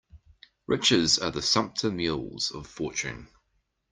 Riches are the sumpter mules of fortune.